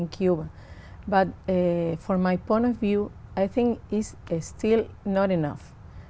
cho hợp lý doanh nghiệp của hai nước